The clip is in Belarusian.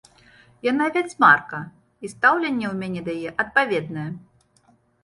Яна вядзьмарка, і стаўленне ў мяне да яе адпаведнае.